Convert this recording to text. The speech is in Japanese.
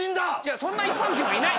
そんな一般人はいない。